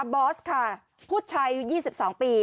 บอสค่ะผู้ชาย๒๒ปี